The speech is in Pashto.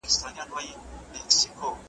ورته وغوړوي مخ ته د مرګ پړی `